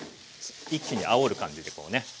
一気にあおる感じでこうね